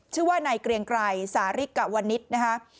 ชื่อว่าในเกรียงไกลสำหริกก็ไวนิดนะคะ